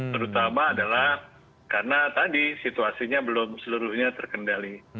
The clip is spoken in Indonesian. terutama adalah karena tadi situasinya belum seluruhnya terkendali